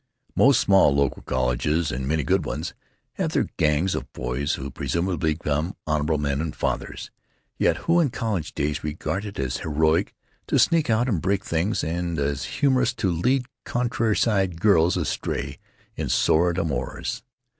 Most small local colleges, and many good ones, have their "gangs" of boys, who presumably become honorable men and fathers, yet who in college days regard it as heroic to sneak out and break things, and as humorous to lead countryside girls astray in sordid amours.